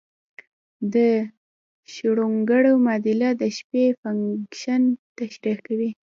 د شروډنګر معادله د څپې فنکشن تشریح کوي.